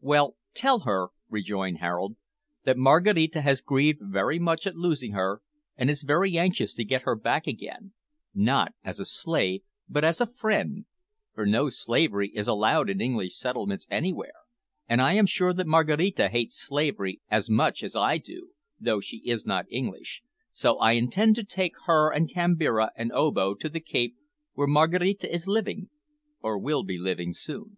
"Well, tell her," rejoined Harold, "that Maraquita has grieved very much at losing her, and is very anxious to get her back again not as a slave, but as a friend, for no slavery is allowed in English settlements anywhere, and I am sure that Maraquita hates slavery as much as I do, though she is not English, so I intend to take her and Kambira and Obo to the Cape, where Maraquita is living or will be living soon."